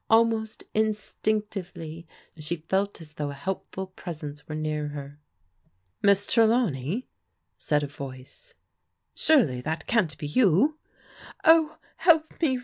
Almost instinctively she fdt as though a helpful presence were near her. " Miss Trelawney," said a voice, surely that can't be you !"" Oh, help me.